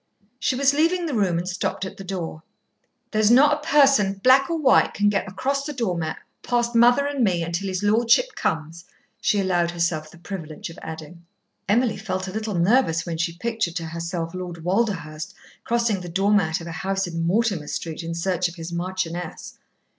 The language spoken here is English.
She was leaving the room and stopped at the door. "There's not a person, black or white, can get across the door mat, past mother and me, until his lordship comes," she allowed herself the privilege of adding. Emily felt a little nervous when she pictured to herself Lord Walderhurst crossing the door mat of a house in Mortimer Street in search of his Marchioness.